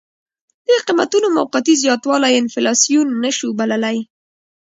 د قیمتونو موقتي زیاتوالی انفلاسیون نه شو بللی.